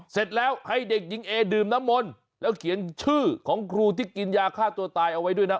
เสร็จแล้วให้เด็กหญิงเอดื่มน้ำมนต์แล้วเขียนชื่อของครูที่กินยาฆ่าตัวตายเอาไว้ด้วยนะ